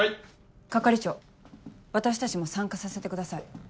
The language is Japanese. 係長私たちも参加させてください。